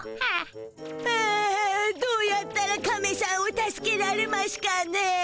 あぁどうやったらカメしゃんを助けられましゅかね。